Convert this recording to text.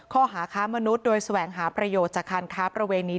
ข้อหาค้ามนุษย์โดยแสวงหาประโยชน์จากการค้าประเวณี